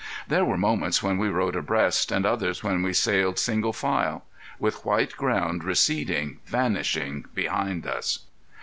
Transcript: There were moments when we rode abreast and others when we sailed single file, with white ground receding, vanishing behind us.